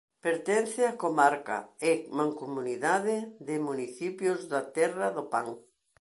Pertence á comarca e mancomunidade de municipios da Terra do Pan.